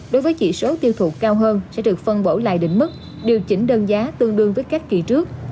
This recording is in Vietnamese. đối với chỉ số tiêu thụ cao hơn sẽ được phân bổ lại đỉnh mức điều chỉnh đơn giá tương đương với các kỳ trước